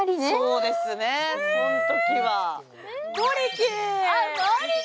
そうですね、そんときは。